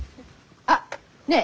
あっねえ